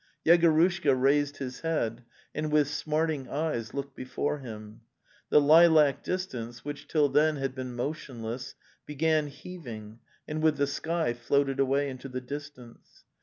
Yego rushka raised his head, and with smarting eyes looked before him; the lilac distance, which till then had been motionless, began heaving, and with the sky floated away into the distance.